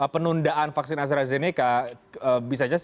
penundaan vaksin astrazeneca